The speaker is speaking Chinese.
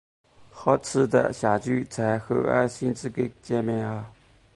好期待下周在赫尔辛基的见面啊